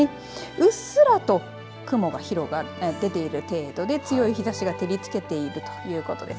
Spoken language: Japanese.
うっすらと雲が出ている程度で強い日ざしが照りつけているということです。